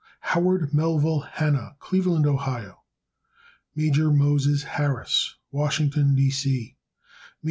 Howard Melville Hanna, Cleveland, Ohio. Major Moses Harris, Washington, D. C. Maj.